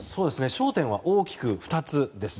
焦点は大きく２つです。